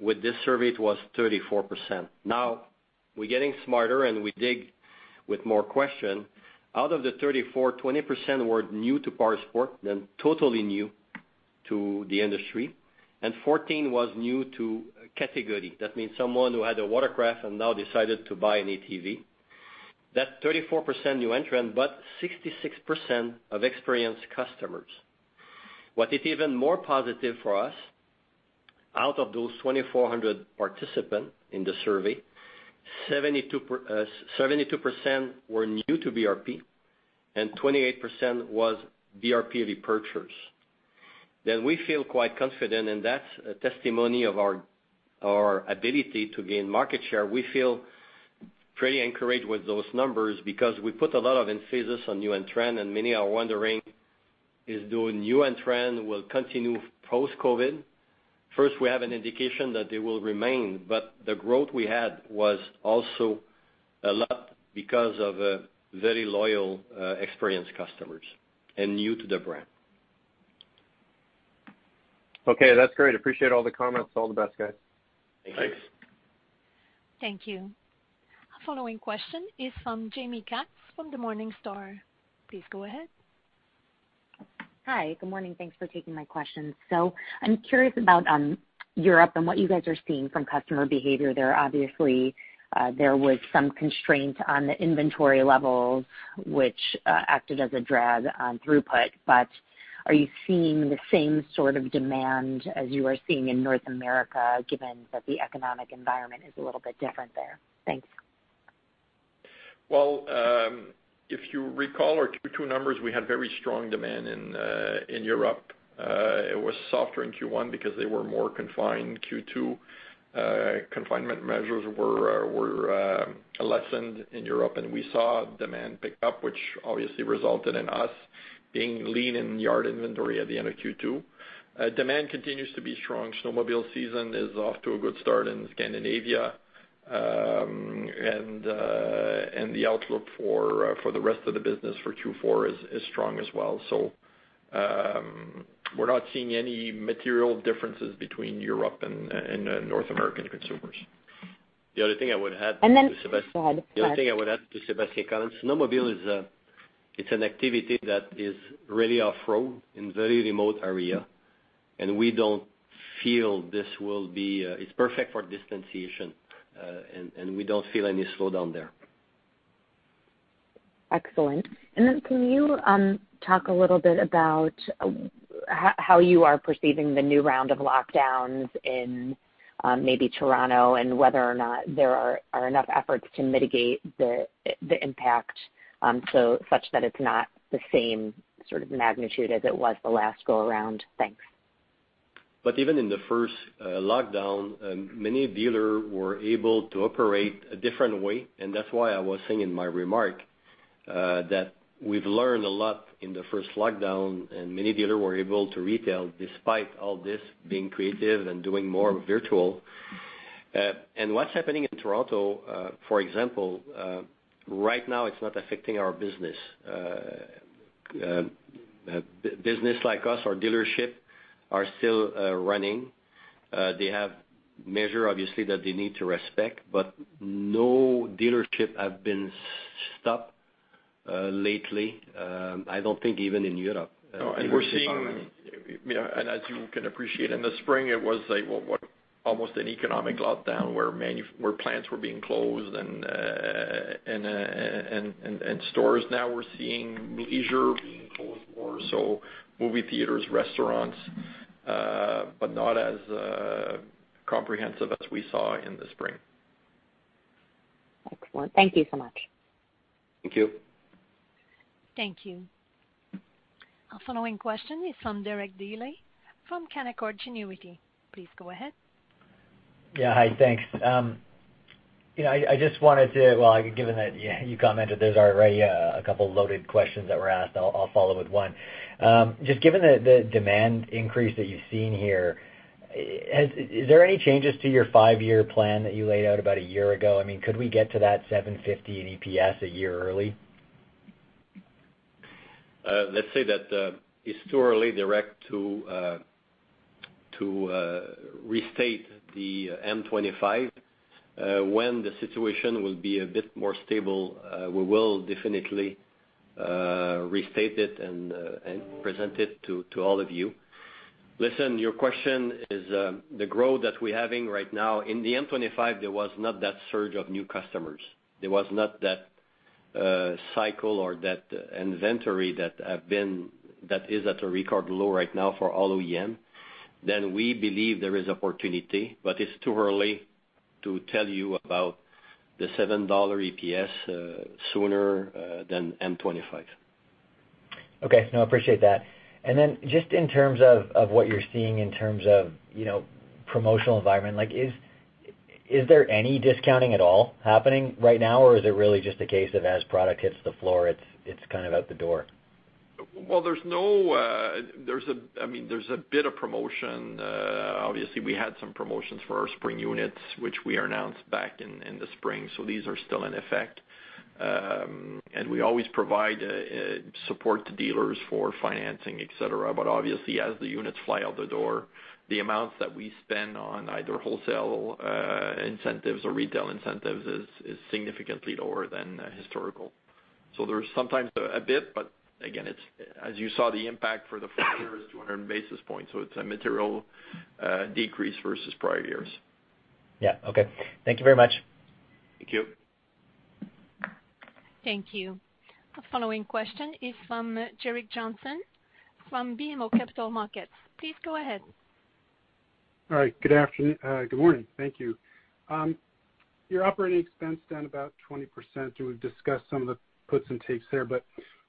with this survey, it was 34%. Now we're getting smarter, and we dig with more question. Out of the 34, 20% were new to powersport, then totally new to the industry, and 14 was new to category. That means someone who had a watercraft and now decided to buy an ATV. That's 34% new entrant, 66% of experienced customers. What is even more positive for us, out of those 2,400 participants in the survey, 72% were new to BRP and 28% was BRP repurchasers. We feel quite confident in that testimony of our ability to gain market share. We feel pretty encouraged with those numbers because we put a lot of emphasis on new entrant, many are wondering is the new entrant will continue post-COVID. First, we have an indication that they will remain, the growth we had was also a lot because of very loyal, experienced customers and new to the brand. Okay, that's great. Appreciate all the comments. All the best, guys. Thank you. Thanks. Thank you. Our following question is from Jaime Katz from Morningstar. Please go ahead. Hi. Good morning. Thanks for taking my questions. I'm curious about Europe and what you guys are seeing from customer behavior there. Obviously, there was some constraint on the inventory levels, which acted as a drag on throughput, but are you seeing the same sort of demand as you are seeing in North America, given that the economic environment is a little bit different there? Thanks. Well, if you recall our Q2 numbers, we had very strong demand in Europe. It was softer in Q1 because they were more confined. Q2 confinement measures were lessened in Europe, and we saw demand pick up, which obviously resulted in us being lean in yard inventory at the end of Q2. Demand continues to be strong. Snowmobile season is off to a good start in Scandinavia. The outlook for the rest of the business for Q4 is strong as well. We're not seeing any material differences between Europe and North American consumers. The other thing I would add to Sebastien. Go ahead The other thing I would add to Sébastien, Katz, snowmobile is an activity that is really off-road in very remote area. It's perfect for distanciation. We don't feel any slowdown there. Excellent. Can you talk a little bit about how you are perceiving the new round of lockdowns in maybe Toronto and whether or not there are enough efforts to mitigate the impact such that it's not the same sort of magnitude as it was the last go around? Thanks. Even in the first lockdown, many dealers were able to operate a different way. That's why I was saying in my remark that we've learned a lot in the first lockdown, and many dealers were able to retail despite all this, being creative and doing more virtual. What's happening in Toronto, for example, right now it's not affecting our business. Business like us, our dealerships are still running. They have measures obviously that they need to respect, but no dealership have been stopped lately, I don't think even in Europe. No. As you can appreciate, in the spring, it was almost an economic lockdown where plants were being closed and stores. Now we're seeing leisure being closed more so movie theaters, restaurants, but not as comprehensive as we saw in the spring. Excellent. Thank you so much. Thank you. Thank you. Our following question is from Derek Dley from Canaccord Genuity. Please go ahead. Yeah. Hi, thanks. Well, given that you commented there's already a couple loaded questions that were asked, I'll follow with one. Given the demand increase that you've seen here, is there any changes to your five-year plan that you laid out about a year ago? Could we get to that 7.50 in EPS a year early? Let's say that it's too early, Derek, to restate the M25. When the situation will be a bit more stable, we will definitely restate it and present it to all of you. Listen, your question is the growth that we're having right now. In the M25, there was not that surge of new customers. There was not that cycle or that inventory that is at a record low right now for all OEM. We believe there is opportunity, but it's too early to tell you about the 7 dollar EPS sooner than M25. Okay. No, appreciate that. Just in terms of what you're seeing in terms of promotional environment, is there any discounting at all happening right now or is it really just a case of as product hits the floor, it's out the door? Well, there's a bit of promotion. Obviously, we had some promotions for our spring units, which we announced back in the spring, so these are still in effect. We always provide support to dealers for financing, et cetera. Obviously, as the units fly out the door, the amounts that we spend on either wholesale incentives or retail incentives is significantly lower than historical. There's sometimes a bit, but again, as you saw the impact for the full year is 200 basis points. It's a material decrease versus prior years. Yeah. Okay. Thank you very much. Thank you. Thank you. The following question is from Gerrick Johnson from BMO Capital Markets. Please go ahead. All right. Good morning. Thank you. Your operating expense down about 20%. We've discussed some of the puts and takes there, but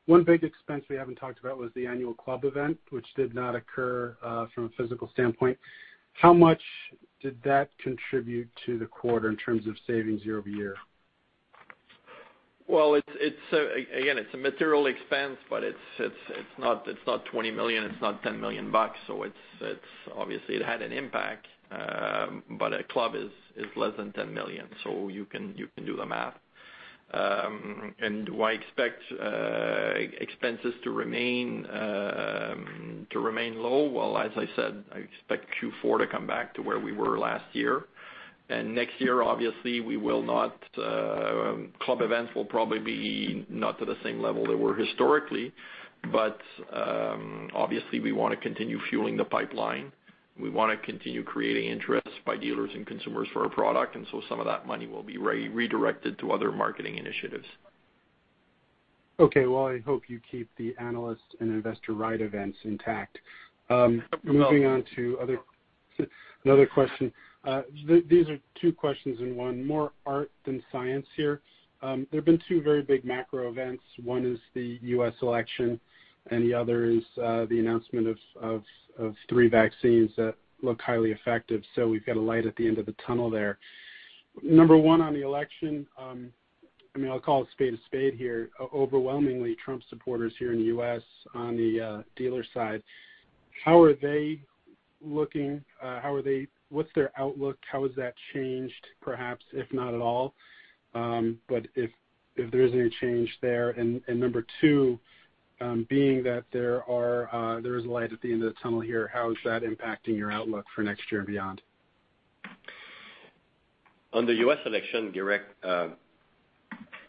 one big expense we haven't talked about was the annual club event, which did not occur, from a physical standpoint. How much did that contribute to the quarter in terms of savings year-over-year? Again, it's a material expense, but it's not 20 million, it's not 10 million bucks. Obviously it had an impact. A club is less than 10 million, you can do the math. Do I expect expenses to remain low? As I said, I expect Q4 to come back to where we were last year. Next year, obviously, club events will probably be not to the same level they were historically. Obviously, we want to continue fueling the pipeline. We want to continue creating interest by dealers and consumers for our product, some of that money will be redirected to other marketing initiatives. Okay. Well, I hope you keep the analyst and investor ride events intact. Well- Moving on to another question. These are two questions in one. More art than science here. There have been two very big macro events. One is the U.S. election, and the other is the announcement of three vaccines that look highly effective. We've got a light at the end of the tunnel there. Number one on the election, I'll call a spade a spade here. Overwhelmingly Trump supporters here in the U.S. on the dealer side. How are they looking? What's their outlook? How has that changed, perhaps, if not at all? If there is any change there, and number two, being that there is a light at the end of the tunnel here, how is that impacting your outlook for next year and beyond? On the U.S. election, Derek,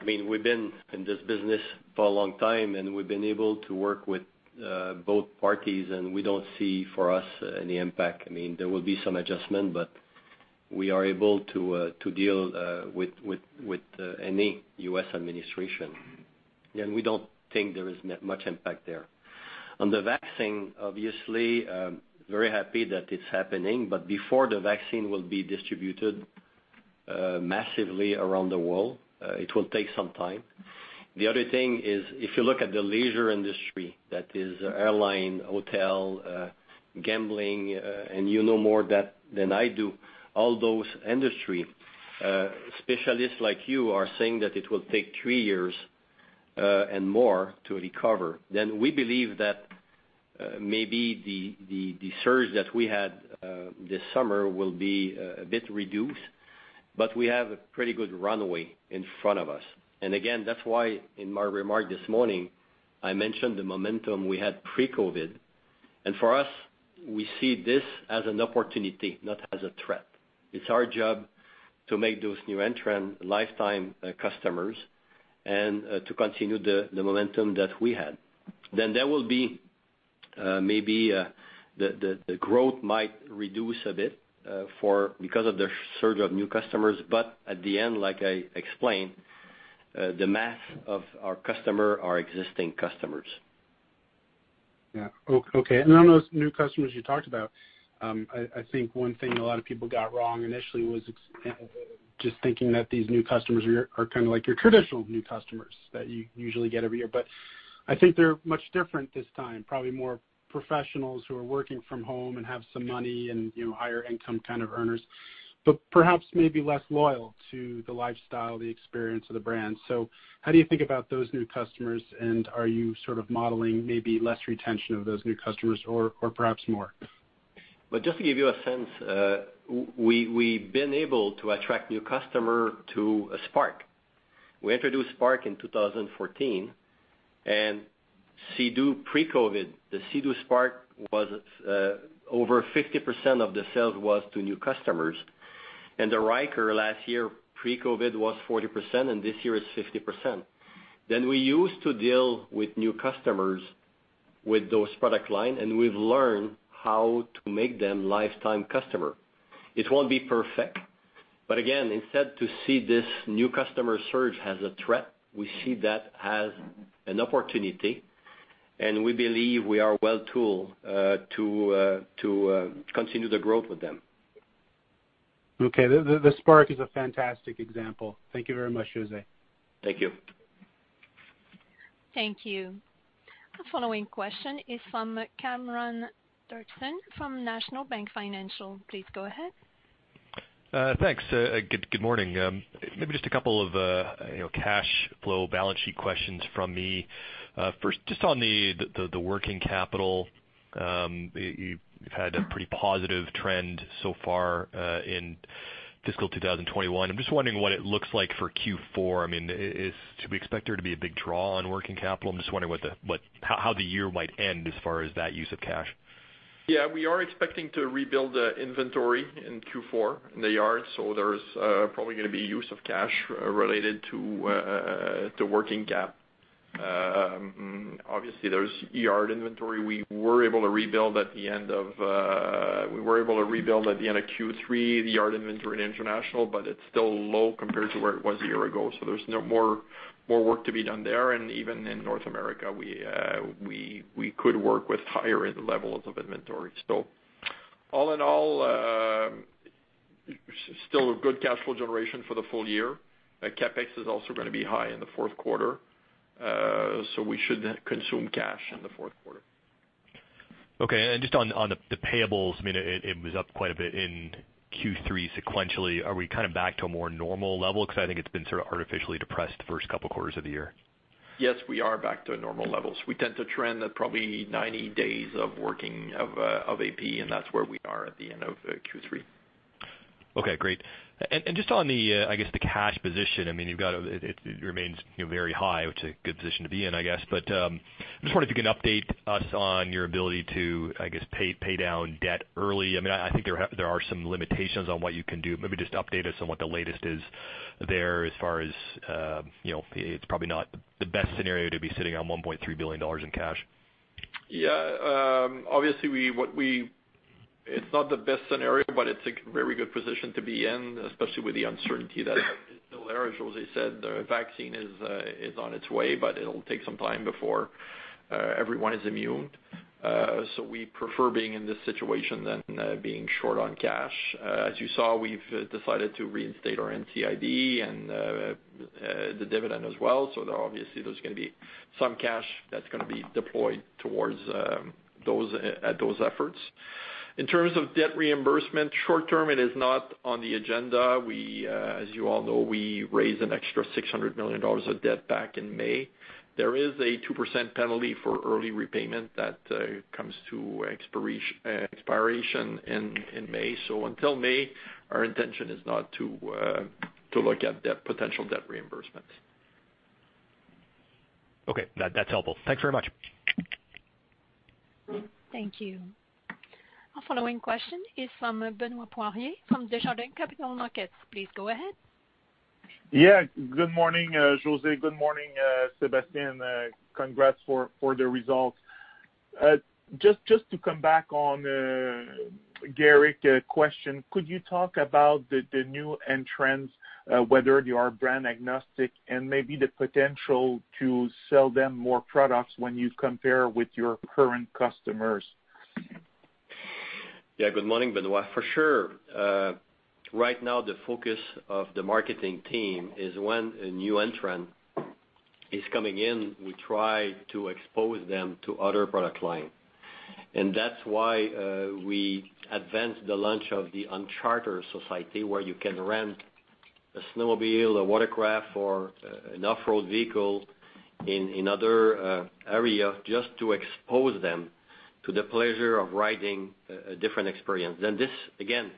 we've been in this business for a long time. We've been able to work with both parties. We don't see for us any impact. There will be some adjustment. We are able to deal with any U.S. administration. We don't think there is much impact there. On the vaccine, obviously, very happy that it's happening. Before the vaccine will be distributed massively around the world, it will take some time. The other thing is, if you look at the leisure industry, that is airline, hotel, gambling, and you know more that than I do, all those industry specialists like you are saying that it will take three years, more to recover. We believe that maybe the surge that we had this summer will be a bit reduced. We have a pretty good runway in front of us. Again, that's why in my remark this morning, I mentioned the momentum we had pre-COVID. For us, we see this as an opportunity, not as a threat. It's our job to make those new entrants lifetime customers and to continue the momentum that we had. There will be maybe the growth might reduce a bit because of the surge of new customers. At the end, like I explained, the mass of our customer are existing customers. Yeah. Okay. On those new customers you talked about, I think one thing a lot of people got wrong initially was just thinking that these new customers are like your traditional new customers that you usually get every year. I think they're much different this time. Probably more professionals who are working from home and have some money and higher income kind of earners. Perhaps maybe less loyal to the lifestyle, the experience of the brand. How do you think about those new customers, and are you sort of modeling maybe less retention of those new customers or perhaps more? Just to give you a sense, we've been able to attract new customer to Spark. We introduced Spark in 2014, Sea-Doo pre-COVID, the Sea-Doo Spark was over 50% of the sales was to new customers. The Ryker last year pre-COVID was 40%, and this year it's 50%. We used to deal with new customers with those product line, and we've learned how to make them lifetime customer. It won't be perfect, but again, instead to see this new customer surge as a threat, we see that as an opportunity, and we believe we are well tooled to continue the growth with them. Okay. The Spark is a fantastic example. Thank you very much, José. Thank you. Thank you. The following question is from Cameron Doerksen from National Bank Financial. Please go ahead. Thanks. Good morning. Maybe just a couple of cash flow balance sheet questions from me. First, just on the working capital. You've had a pretty positive trend so far in fiscal 2021. I'm just wondering what it looks like for Q4. Should we expect there to be a big draw on working capital? I'm just wondering how the year might end as far as that use of cash. Yeah, we are expecting to rebuild the inventory in Q4 in the yard. There's probably going to be use of cash related to working cap. Obviously, there's yard inventory. We were able to rebuild at the end of Q3, the yard inventory in international. It's still low compared to where it was a year ago. There's more work to be done there. Even in North America, we could work with higher levels of inventory. All in all, still a good cash flow generation for the full year. CapEx is also going to be high in the fourth quarter. We should consume cash in the fourth quarter. Okay. Just on the payables, it was up quite a bit in Q3 sequentially. Are we back to a more normal level? I think it's been sort of artificially depressed the first couple quarters of the year. Yes, we are back to normal levels. We tend to trend at probably 90 days of working of AP, and that is where we are at the end of Q3. Okay, great. Just on the cash position, it remains very high, which is a good position to be in, I guess. I'm just wondering if you can update us on your ability to pay down debt early. I think there are some limitations on what you can do. Just update us on what the latest is there as far as it's probably not the best scenario to be sitting on 1.3 billion dollars in cash. Yeah. Obviously, it's not the best scenario, but it's a very good position to be in, especially with the uncertainty that is still there. As José said, the vaccine is on its way, but it'll take some time before everyone is immune. We prefer being in this situation than being short on cash. As you saw, we've decided to reinstate our NCIB and the dividend as well. Obviously, there's going to be some cash that's going to be deployed towards those at those efforts. In terms of debt reimbursement, short term, it is not on the agenda. As you all know, we raised an extra 600 million dollars of debt back in May. There is a 2% penalty for early repayment that comes to expiration in May. Until May, our intention is not to look at potential debt reimbursement. Okay, that's helpful. Thanks very much. Thank you. Our following question is from Benoît Poirier from Desjardins Capital Markets. Please go ahead. Good morning, José. Good morning, Sébastien. Congrats for the results. To come back on Gerrick question, could you talk about the new entrants, whether they are brand agnostic and maybe the potential to sell them more products when you compare with your current customers? Yeah. Good morning, Benoît. For sure. Right now, the focus of the marketing team is when a new entrant is coming in, we try to expose them to other product line. That's why we advanced the launch of the Uncharted Society, where you can rent a snowmobile, a watercraft or an off-road vehicle in other area just to expose them to the pleasure of riding a different experience. This, again,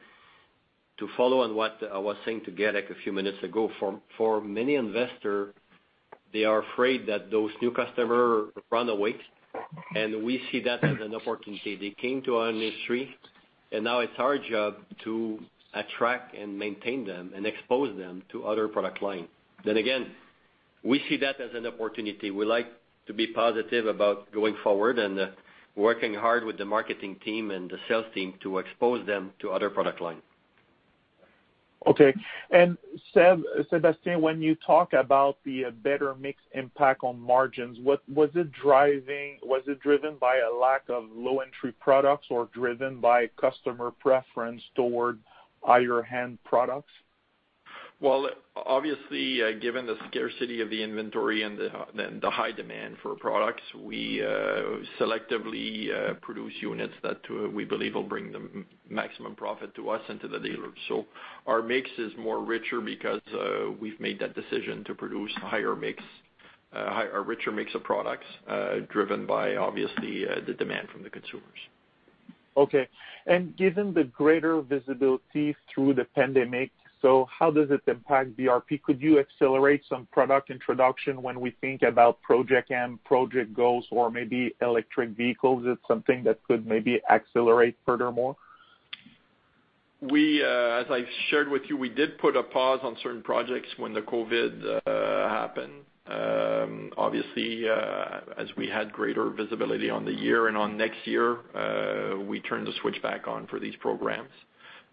to follow on what I was saying to Gerrick a few minutes ago, for many investors, they are afraid that those new customers run away, and we see that as an opportunity. They came to our industry, and now it's our job to attract and maintain them and expose them to other product line. Again, we see that as an opportunity. We like to be positive about going forward and working hard with the marketing team and the sales team to expose them to other product line. Okay. Sébastien, when you talk about the better mix impact on margins, was it driven by a lack of low-entry products or driven by customer preference toward higher-end products? Well, obviously, given the scarcity of the inventory and the high demand for products, we selectively produce units that we believe will bring the maximum profit to us and to the dealers. Our mix is more richer because we've made that decision to produce a richer mix of products driven by, obviously, the demand from the consumers. Okay. Given the greater visibility through the pandemic, how does it impact BRP? Could you accelerate some product introduction when we think about Project M, Project Ghost, or maybe electric vehicles? It is something that could maybe accelerate furthermore? As I shared with you, we did put a pause on certain projects when the COVID happened. Obviously, as we had greater visibility on the year and on next year, we turned the switch back on for these programs.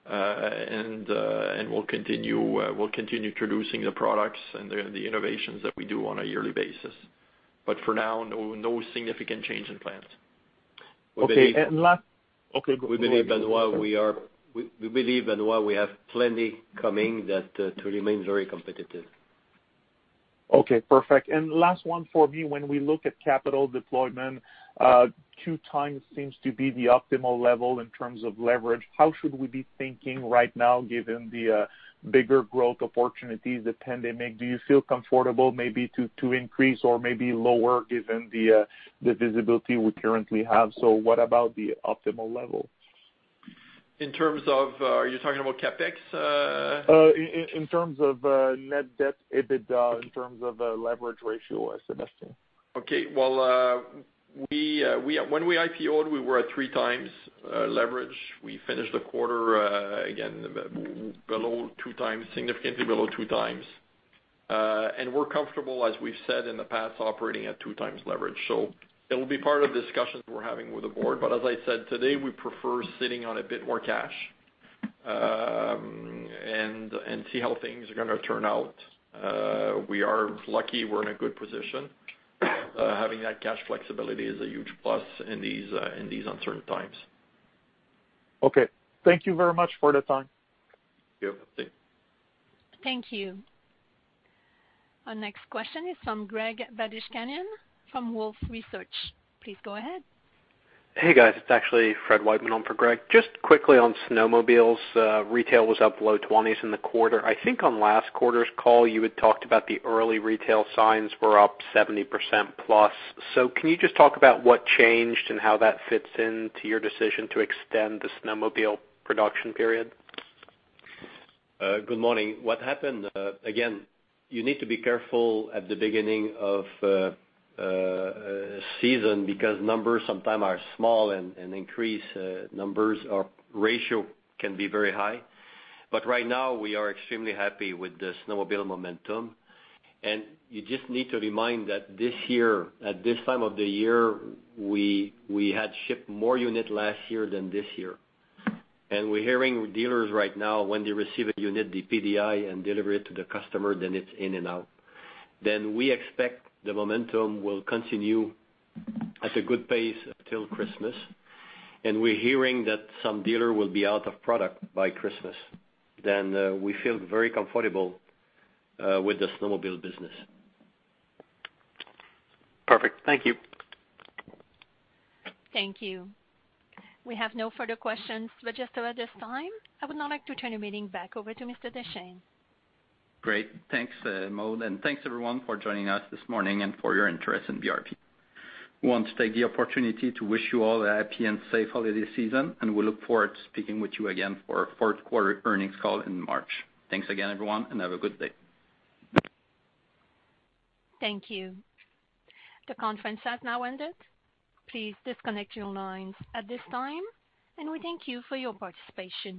We'll continue introducing the products and the innovations that we do on a yearly basis. For now, no significant change in plans. Okay. We believe and while we have plenty coming to remain very competitive. Okay, perfect. Last one for me. When we look at capital deployment, two times seems to be the optimal level in terms of leverage. How should we be thinking right now, given the bigger growth opportunities, the pandemic? Do you feel comfortable maybe to increase or maybe lower given the visibility we currently have? What about the optimal level? In terms of, are you talking about CapEx? In terms of net debt, EBITDA, in terms of leverage ratio, I suggested. Okay. Well, when we IPO'd, we were at three times leverage. We finished the quarter, again, below two times, significantly below two times. We're comfortable, as we've said in the past, operating at two times leverage. It'll be part of discussions we're having with the board. As I said today, we prefer sitting on a bit more cash, and see how things are gonna turn out. We are lucky we're in a good position. Having that cash flexibility is a huge plus in these uncertain times. Okay. Thank you very much for the time. You're welcome. Thank you. Our next question is from Greg Badishkanian from Wolfe Research. Please go ahead. Hey, guys. It's actually Fred Wightman on for Greg. Just quickly on snowmobiles, retail was up low 20s in the quarter. I think on last quarter's call, you had talked about the early retail signs were up 70% plus. Can you just talk about what changed and how that fits into your decision to extend the snowmobile production period? Good morning. What happened, again, you need to be careful at the beginning of a season because numbers sometimes are small and increase numbers or ratio can be very high. Right now, we are extremely happy with the snowmobile momentum. You just need to remind that this year, at this time of the year, we had shipped more unit last year than this year. We're hearing dealers right now when they receive a unit, the PDI, and deliver it to the customer, then it's in and out. We expect the momentum will continue at a good pace till Christmas, and we're hearing that some dealer will be out of product by Christmas. We feel very comfortable with the snowmobile business. Perfect. Thank you. Thank you. We have no further questions registered at this time. I would now like to turn the meeting back over to Mr. Deschênes. Great. Thanks, Maude, and thanks everyone for joining us this morning and for your interest in BRP. We want to take the opportunity to wish you all a happy and safe holiday season, and we look forward to speaking with you again for our fourth quarter earnings call in March. Thanks again, everyone, and have a good day. Thank you. The conference has now ended. Please disconnect your lines at this time, and we thank you for your participation.